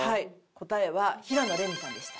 答えは平野レミさんでした。